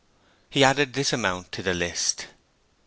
He added this amount to the list.